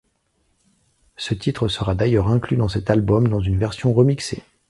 Ce titre sera d'ailleurs inclus dans cet album dans une version remixée.